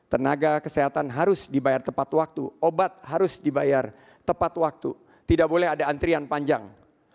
tenaga kesehatan harus dibayar tepat waktu obat harus dibayar tepat waktu tidak boleh ada antrian panjang